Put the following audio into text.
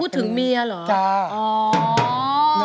ถึงเมียเหรอ